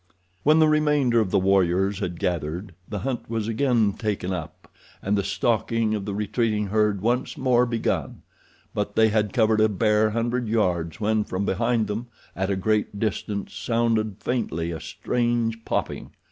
When the remainder of the warriors had gathered, the hunt was again taken up and the stalking of the retreating herd once more begun; but they had covered a bare hundred yards when from behind them, at a great distance, sounded faintly a strange popping.